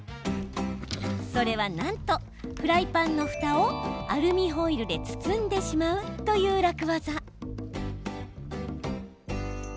それは、なんとフライパンのふたをアルミホイルで包んでしまうという楽ワザ。